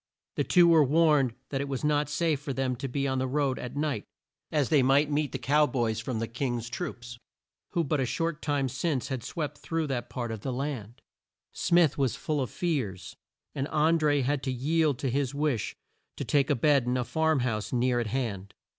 The two were warned that it was not safe for them to be on the road at night, as they might meet the Cow Boys from the King's troops, who but a short time since had swept through that part of the land. Smith was full of fears, and An dré had to yield to his wish to take a bed in a farm house near at hand.